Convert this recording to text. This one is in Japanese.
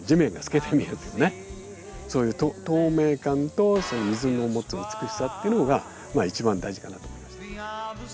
そういう透明感とその水の持つ美しさっていうのがまあ一番大事かなと思います。